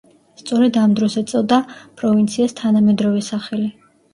სწორედ ამ დროს ეწოდა პროვინციას თანამედროვე სახელი.